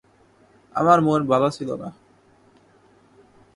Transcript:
আমার মন ভালো ছিল না।